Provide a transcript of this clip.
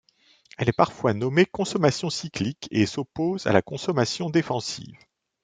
Elle est parfois nommée consommation cyclique et s'oppose à la consommation défensive.